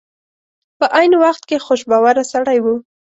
په عین وخت کې خوش باوره سړی و.